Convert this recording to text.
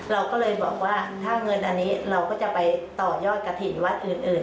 เราก็เลยบอกว่าถ้าเงินอันนี้เราก็จะไปต่อยอดกระถิ่นวัดอื่น